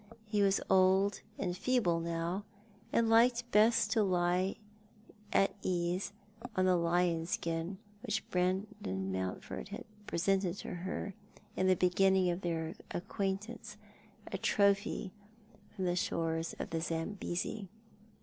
Ho was old and feeble now, and liked best to lie at his ease on the lion skin which Brandon Mountford had pre sented to her in the beginning of their acquaintance, a trophy from the shores of the Zambesi.